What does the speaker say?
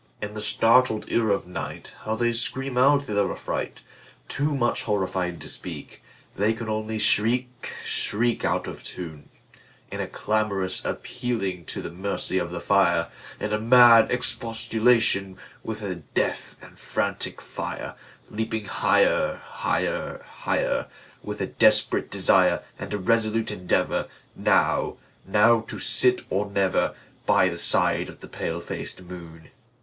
In the startled ear of nightHow they scream out their affright! Too much horrified to speak, They can only shriek, shriek, Out of tune, In a clamorous appealing to the mercy of the fire, In a mad expostulation with the deaf and frantic fire, Leaping higher, higher, higher, With a desperate desire, And a resolute endeavorNow—now to sit or never, By the side of the pale faced moon.